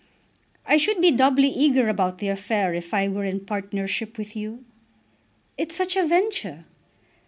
"I should be doubly eager about the affair if I were in partnership with you." "It's such a venture."